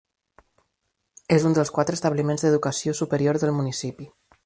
És d'un dels quatre establiments d'educació superior del municipi.